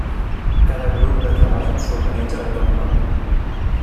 Cada grup de treball s’organitza autònomament.